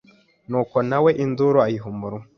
nuko nawe Induru ayiha umunwa